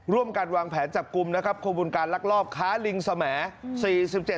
ร่วมกันวางแผนจับกลุ่มนะครับขบวนการลักลอบค้าลิงสมัย